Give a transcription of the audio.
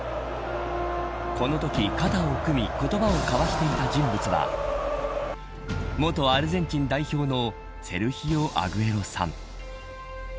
このとき、肩を組み言葉を交わしていた人物は元アルゼンチン代表のセルヒオ・アグエロさん。